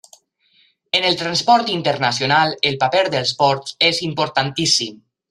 En el transport internacional el paper dels ports és importantíssim.